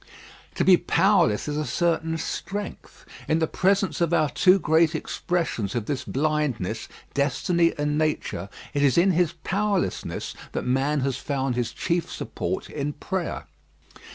To be powerless is a certain strength. In the presence of our two great expressions of this blindness destiny and nature it is in his powerlessness that man has found his chief support in prayer.